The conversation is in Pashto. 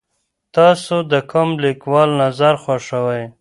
تاسو د کوم لیکوال نظر خوښوئ؟